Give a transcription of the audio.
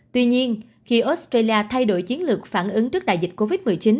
tuy nhiên khi australia thay đổi chiến lược phản ứng trước đại dịch covid một mươi chín